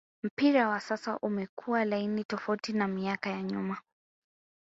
mpira wa sasa umekua laini tofauti na miaka ya nyuma